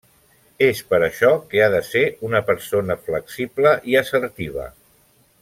És per això que ha de ser una persona flexible i assertiva.